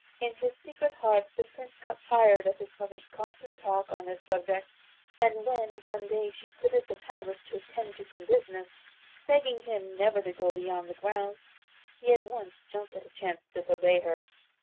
In his secret heart the Prince got tired of his mother's constant talk on this subject; and when one day she quitted the palace to attend to some business, begging him never to go beyond the grounds, he at once jumped at the chance of disobeying her.